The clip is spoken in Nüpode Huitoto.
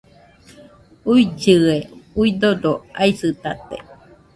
uillɨe, udodo aisɨtate